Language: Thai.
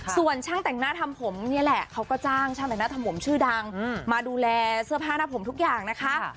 ส่วนช่างแต่งหน้าทำผมนี่แหละเขาก็จ้างช่างแต่งหน้าทำผมชื่อดังมาดูแลเสื้อผ้าหน้าผมทุกอย่างนะคะ